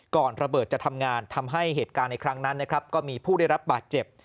ระเบิดจะทำงานทำให้เหตุการณ์ในครั้งนั้นนะครับก็มีผู้ได้รับบาดเจ็บ